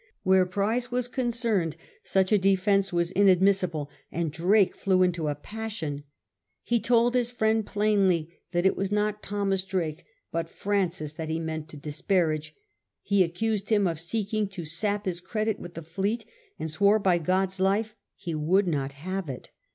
Where prize was concerned such a defence was inadmissible, and Drake flew into a passion. He told his friend plainly that it was not Thomas Drake, but Francis, that he meant to disparage; he accused him of seeking to sap his credit with the fleet, and swore by God's life he would not have it.